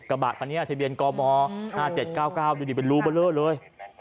กระบาดขนาดนี้อธิบยนต์กม๕๗๙๙ดูดิเป็นรูเบลอเลย